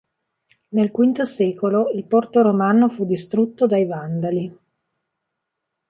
Nel V secolo il porto romano fu distrutto dai Vandali.